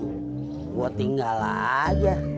gue tinggal aja